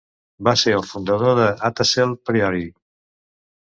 Va ser el fundador de Athassel Priory.